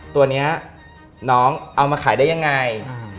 ตัวนี้น้องเอามาขายได้ยังไง